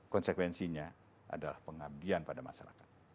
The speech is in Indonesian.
konsekuensinya adalah pengabdian pada masyarakat